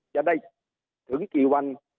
จะได้ถึงกี่วัน